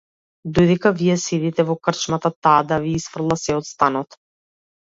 Додека вие седите во крчмата, таа да ви исфрла сѐ од станот!